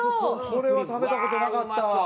これは食べた事なかったわ。